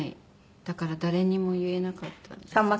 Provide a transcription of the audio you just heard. だから誰にも言えなかったです。